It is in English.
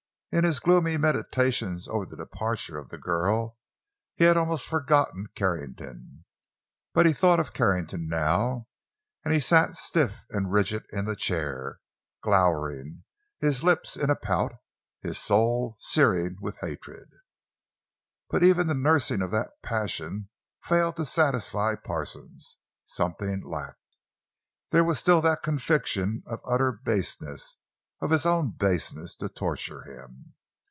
In his gloomy meditations over the departure of the girl, he had almost forgotten Carrington. But he thought of Carrington now; and he sat stiff and rigid in the chair, glowering, his lips in a pout, his soul searing with hatred. But even the nursing of that passion failed to satisfy Parsons. Something lacked. There was still that conviction of utter baseness—his own baseness—to torture him.